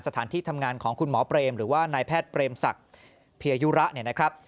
สถานที่ทำงานของคุณหมอเปรมหรือว่านายแพทย์เปรมศักดิ์เพียยุระเนี่ยนะครับ